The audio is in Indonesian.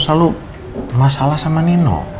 selalu masalah sama nino